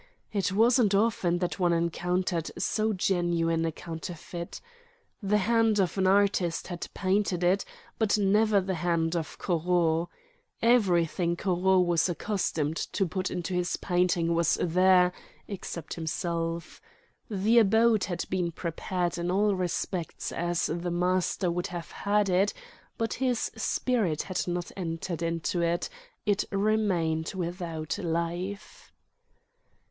It wasn't often that one encountered so genuine a counterfeit. The hand of an artist had painted it, but never the hand of Corot. Everything Corot was accustomed to put into his painting was there, except himself. The abode had been prepared in all respects as the master would have had it, but his spirit had not entered into it, it remained without life.